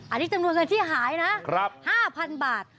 อันนี้จำนวนเงินที่หายนะ๕๐๐๐บาท